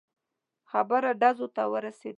خبره ډزو ته ورسېده.